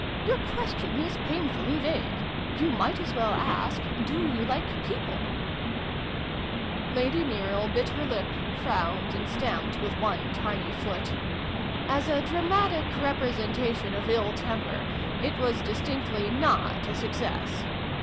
Your question is painfully vague. You might as well ask ' Do you like People ?'" Lady Muriel bit her lip, frowned, and stamped with one tiny foot. As a dramatic representation of ill temper, it was distinctly not a success.